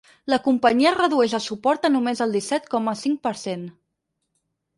La companyia redueix el suport a només el disset coma cinc per cent.